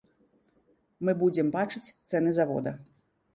Мы будзем бачыць цэны завода.